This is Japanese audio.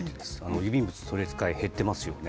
郵便物、取り扱い減ってますよね。